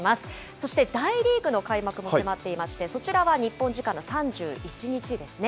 そして大リーグの開幕も迫っていまして、そちらは日本時間の３１日ですね。